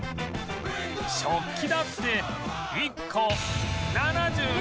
食器だって１個７４円